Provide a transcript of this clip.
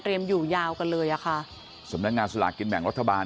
อยู่ยาวกันเลยอ่ะค่ะสำนักงานสลากกินแบ่งรัฐบาล